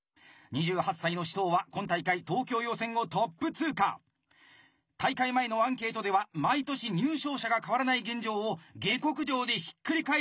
２８歳の紫桃は今大会大会前のアンケートでは毎年入賞者が変わらない現状を下克上でひっくり返すと宣言！